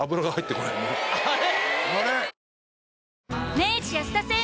あれ？